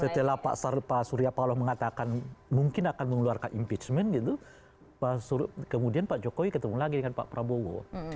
setelah pak surya paloh mengatakan mungkin akan mengeluarkan impeachment gitu kemudian pak jokowi ketemu lagi dengan pak prabowo